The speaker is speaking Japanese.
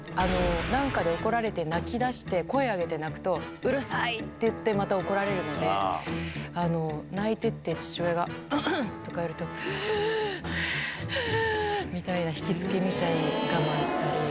なんかで怒られて泣きだして、声上げて泣くと、うるさいって言って、また怒られるので、泣いてて、父親が、う、うんとかやると、ふぅー、ふぅーみたいな、ひきつけみたいに我慢したり。